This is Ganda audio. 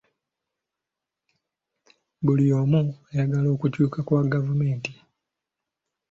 Buli omu ayagala okukyuka kwa gavumenti.